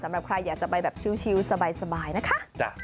สำหรับใครอยากจะไปแบบชิลสบายนะคะ